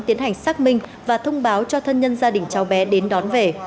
tiến hành xác minh và thông báo cho thân nhân gia đình cháu bé đến đón về